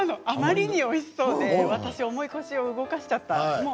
あまりにおいしそうで私、重い腰を動かしちゃった。